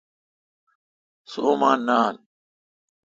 سو اوماں نان